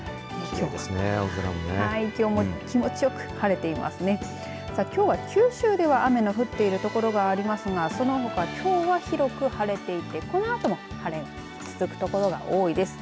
きょうは九州では雨の降っている所がありますがそのほか、きょうは広く晴れていてこのあとも晴れの続く所が多いです。